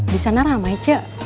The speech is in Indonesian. di sana ramai cok